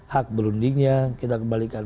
hak berundingnya kita kembalikan